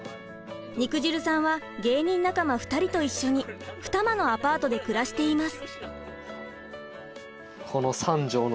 肉汁さんは芸人仲間２人と一緒に二間のアパートで暮らしています。